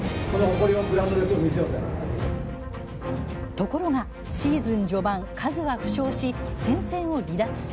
ところが、シーズン序盤カズは負傷し戦線を離脱。